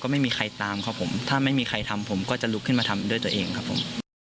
ไม่มีใครตามครับผมถ้าไม่มีใครทำผมก็จะลุกขึ้นมาทำด้วยตัวเองครับผม